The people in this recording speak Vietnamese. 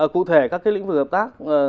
cụ thể các cái lĩnh vực hợp tác